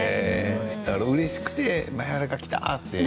うれしくて前原が来たって。